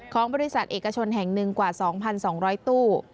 ของบริษัทเอกชนแห่งหนึ่งกว่า๒๒๐๐ตู้